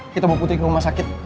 kita bawa putri ke rumah sakit